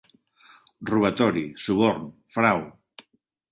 Robatori, suborn, frau,